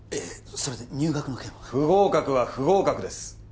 それで入学の件は不合格は不合格です